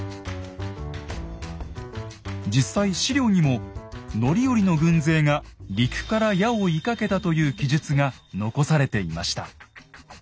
実際史料にも範頼の軍勢が陸から矢を射かけたという記述が残されていました。